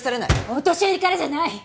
お年寄りからじゃない！